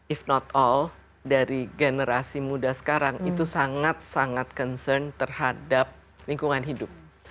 if not all dari generasi muda sekarang itu sangat sangat concern terhadap lingkungan hidup